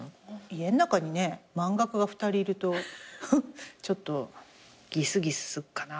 家の中にね漫画家が２人いるとちょっとギスギスすっかな。